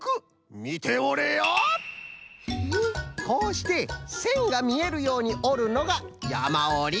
こうしてせんがみえるようにおるのがやまおり。